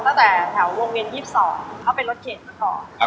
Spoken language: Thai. ตั้งแต่แถวฮวงเวียนที่๒๒เข้าไปกำลังติดตามมาต่อ